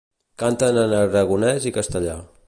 Canten en aragonès i castellà.